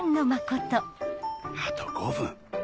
あと５分。